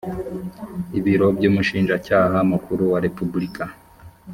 ibiro by umushinjacyaha mukuru wa repubulika